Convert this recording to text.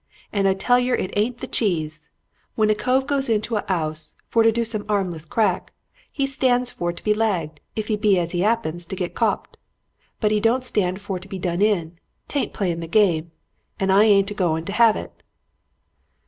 And I tell yer it ain't the cheese. When a cove goes into an 'ouse for to do an 'armless crack he stands for to be lagged if so be as he 'appens to git copped. But 'e don't stand for to be done in. 'Tain't playin' the game, and I ain't a goin' to 'ave it.'